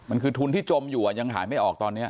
มันคือทุนที่จมอยู่ยังหายไม่ออกตอนนี้